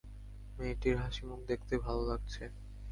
মেয়েটির হাসিমুখ দেখতে ভালো লাগছে।